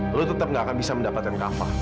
lo tetep nggak akan bisa mendapatkan kafa